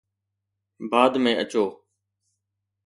بعد ۾ اچو